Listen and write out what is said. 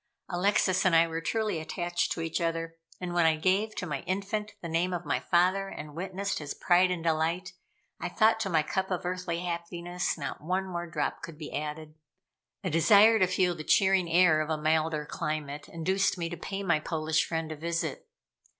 Alexis and I were truly attached to each other, and when I gave to my infant the name of my father and witnessed his pride and delight, I thought to my cup of earthly happiness, not one more drop could be added. A desire to feel the cheering air of a milder climate induced me to pay my Polish friend a visit.